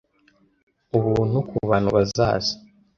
ubuntu ku bantu bazaza